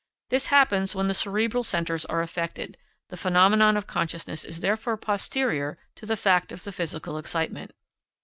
This happens when the cerebral centres are affected; the phenomenon of consciousness is therefore posterior to the fact of the physical excitement.